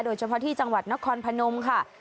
โดยเฉพาะที่จังหวัดนครพนมค่ะ